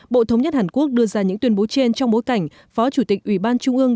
bộ thống nhất hàn quốc đưa ra những tuyên bố trên trong bối cảnh phó chủ tịch ủy ban trung ương